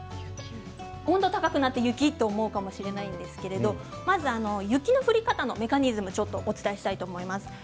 温度が高くなって雪？と思うかもしれないんですがまず雪の降り方のメカニズムをお伝えしたいと思います。